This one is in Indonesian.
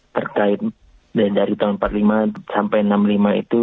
terkait dari tahun empat puluh lima sampai enam puluh lima itu